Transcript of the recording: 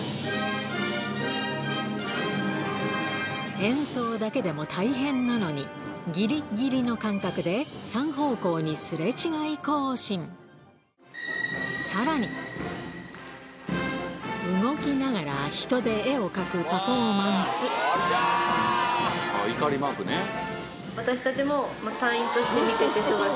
演奏だけでも大変なのにぎりぎりの間隔で３方向に擦れ違い行進動きながら人で絵を描くパフォーマンス私たちも。